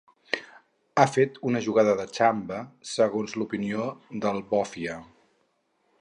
Ha fet una jugada de xamba, segons l’opinió del bòfia.